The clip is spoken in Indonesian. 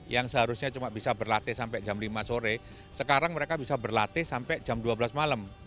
yang seharusnya cuma bisa berlatih sampai jam lima sore sekarang mereka bisa berlatih sampai jam dua belas malam